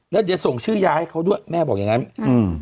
แล้วเดี๋ยวส่งชื่อยาให้เขาด้วยแม่บอกอย่างงั้นอืม